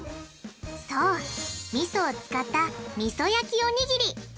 そうみそを使ったみそ焼きおにぎり。